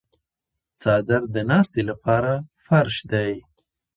څادر د ناستې لپاره فرش دی.